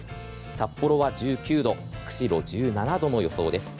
札幌は１９度釧路、１７度の予想です。